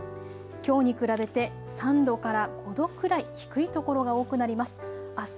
きょうに比べて３度から５度くらい低い所が多くなります。